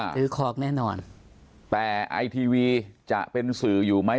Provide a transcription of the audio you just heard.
ซื้อของแน่นอนแต่ไอทีวีจะเป็นสื่ออยู่ไหม